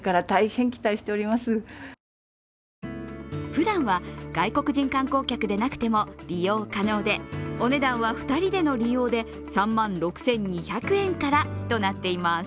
プランは外国人観光客でなくても利用可能でお値段は２人での利用で３万６２００円からとなっています。